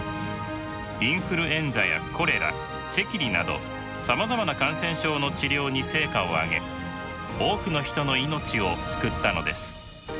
インフルエンザやコレラ赤痢などさまざまな感染症の治療に成果を上げ多くの人の命を救ったのです。